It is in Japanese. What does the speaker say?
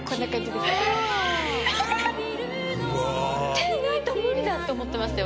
手ないと無理だと思ってましたよ